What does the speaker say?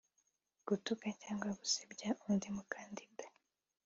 gutuka cyangwa gusebya undi mukandida